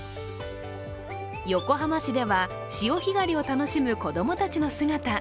横浜市では、潮干狩りを楽しむ子供たちの姿。